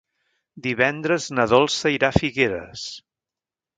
Divendres na Dolça irà a Figueres.